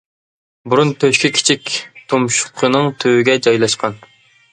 بۇرۇن تۆشۈكى كىچىك، تۇمشۇقىنىڭ تۈۋىگە جايلاشقان.